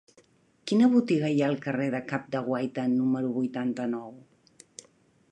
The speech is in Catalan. Quina botiga hi ha al carrer del Cap de Guaita número vuitanta-nou?